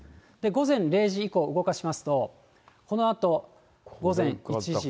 午前０時以降、動かしますと、このあと午前１時、２時、３時。